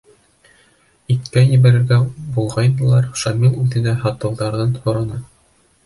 Иткә ебәрергә булғайнылар, Шамил үҙенә һатыуҙарын һораны.